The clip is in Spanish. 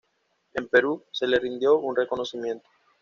En Perú se le rindió un reconocimiento.